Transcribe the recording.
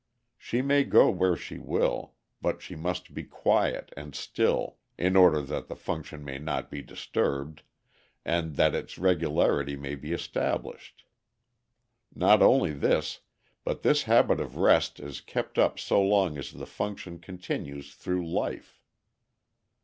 She may go where she will, but she must be quiet and still, in order that the function may be not disturbed, and that its regularity may be established. Not only this, but this habit of rest is kept up so long as the function continues through life.